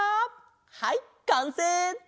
はいかんせい！